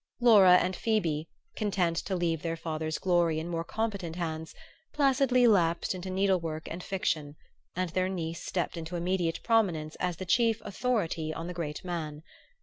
Laura and Phoebe, content to leave their father's glory in more competent hands, placidly lapsed into needlework and fiction, and their niece stepped into immediate prominence as the chief "authority" on the great man.